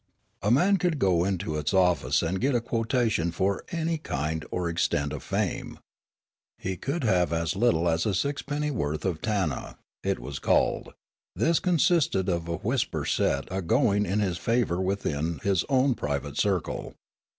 A man could go into its office and get a quotation for any kind or extent of fame. He could have as little as a sixpenny worth, a tanna, it was called ; this consisted in a whisper set agoing in his favour within his own private circle.